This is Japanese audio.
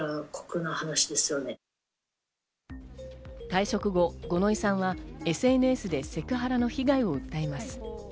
退職後、五ノ井さんはＳＮＳでセクハラの被害を訴えます。